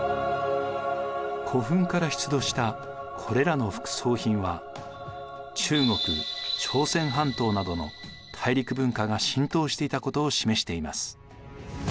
古墳から出土したこれらの副葬品は中国朝鮮半島などの大陸文化が浸透していたことを示しています。